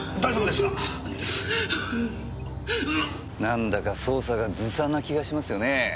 なんだか捜査がずさんな気がしますよね。